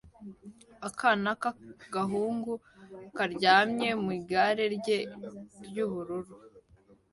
Akana k'agahungu karyamye mu igare rye ry'ubururu